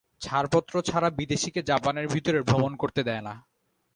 ছাড়পত্র ছাড়া বিদেশীকে জাপানের ভিতরে ভ্রমণ করতে দেয় না।